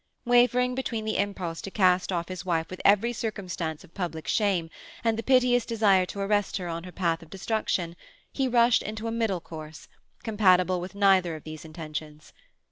Wavering between the impulse to cast off his wife with every circumstance of public shame, and the piteous desire to arrest her on her path of destruction, he rushed into a middle course, compatible with neither of these intentions.